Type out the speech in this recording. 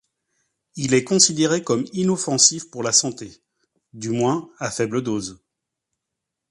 Il est considéré comme inoffensif pour la santé, du moins à faible dose.